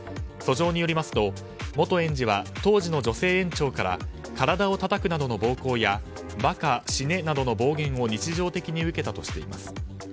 訴状によりますと元園児は当時の女性園長から体をたたくなどの暴行や馬鹿、死ねなどの暴言を日常的に受けたとしています。